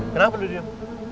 kenapa lu diam